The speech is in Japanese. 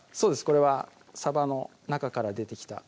これはさばの中から出てきた